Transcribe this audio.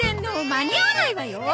間に合わないわよ！